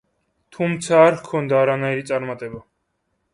თუმცა არ ჰქონდა არანაირი წარმატება.